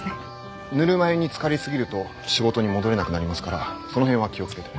ぬるま湯につかり過ぎると仕事に戻れなくなりますからその辺は気を付けて。